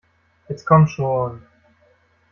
Jetzt komm schon!